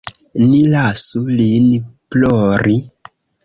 Ni lasu lin plori.